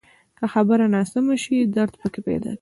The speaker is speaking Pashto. که خبره ناسمه شي، درد پیدا کوي